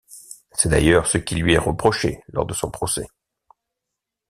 C'est d'ailleurs ce qui lui est reproché lors de son procès.